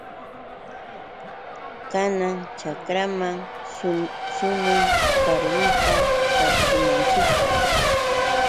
Kana chakraman sumuy. Tarwita tarpunanchikpaq.